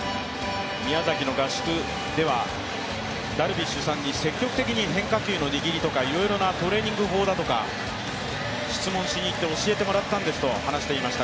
ダルビッシュさんに積極的に変化球の握りだとかいろいろなトレーニング法だとか質問しに行って教えてもらったんですと話していました